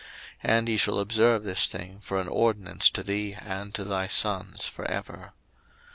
02:012:024 And ye shall observe this thing for an ordinance to thee and to thy sons for ever.